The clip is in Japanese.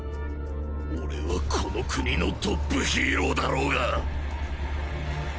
俺はこの国のトップヒーローだろうが！